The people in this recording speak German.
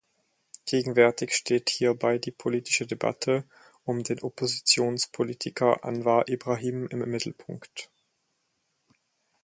Gegenwärtig steht hierbei die politische Debatte um den Oppositionspolitiker Anwar Ibrahim im Mittelpunkt.